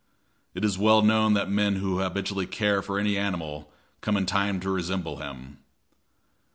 It is well known that men who habitually care for any animal come in time to resemble him.